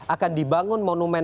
akan dibangun monumen